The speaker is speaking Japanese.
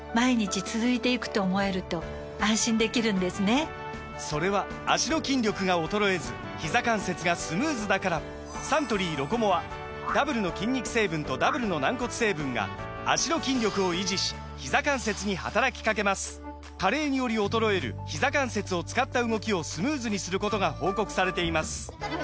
サントリー「ロコモア」・それは脚の筋力が衰えずひざ関節がスムーズだからサントリー「ロコモア」ダブルの筋肉成分とダブルの軟骨成分が脚の筋力を維持しひざ関節に働きかけます加齢により衰えるひざ関節を使った動きをスムーズにすることが報告されています